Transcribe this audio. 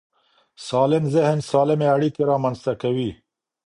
سالم ذهن سالمې اړیکې رامنځته کوي.